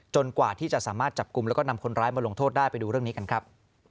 กว่าที่จะสามารถจับกลุ่มแล้วก็นำคนร้ายมาลงโทษได้ไปดูเรื่องนี้กันครับ